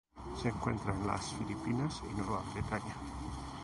Se encuentra en las Filipinas y Nueva Bretaña.